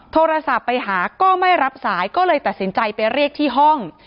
โทรศัพท์ไปหาก็ไม่รับสายก็เลยตัดสินใจไปเรียกที่ห้อง